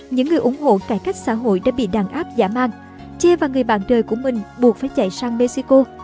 những người ủng hộ cải cách xã hội đã bị đàn áp dã man ché và người bạn đời của mình buộc phải chạy sang mexico